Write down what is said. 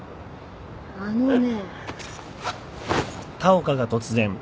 あのね。